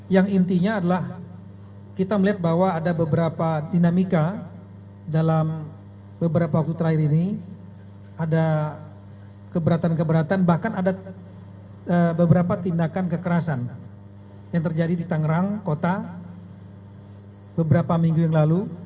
yang intinya adalah kita melihat bahwa ada beberapa dinamika dalam beberapa waktu terakhir ini ada keberatan keberatan bahkan ada beberapa tindakan kekerasan yang terjadi di tangerang kota beberapa minggu yang lalu